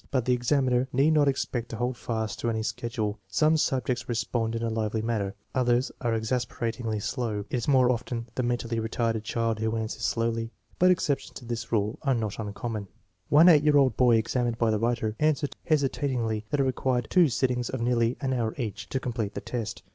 But the examiner need not expect to hold fast to any schedule. Some subjects respond in a lively manner, others are exasperatingly slow. It is more often the mentally retarded child who answers slowly, but exceptions to this rule are not uncommon. One 8 year 128 THE MEASUREMENT OF INTELLIGENCE old boy examined by the writer answered so hesitatingly that it required two sittings of nearly an hour each to com plete the test.